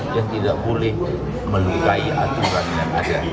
yang tidak boleh melukai aturan yang ada